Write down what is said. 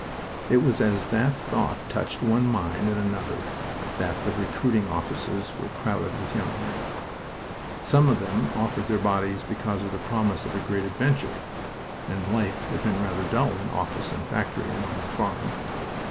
It was as that thought touched one mind and another that the recruiting offices were crowded with young men. Some of them offered their bodies because of the promise of a great adventure and life had been rather dull in office and factory and on the farm.